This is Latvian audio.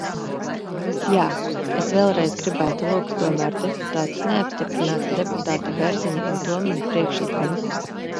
Jā, es vēlreiz gribētu lūgt tomēr deputātus neapstiprināt deputātu Bērziņa un Tomiņa priekšlikumu.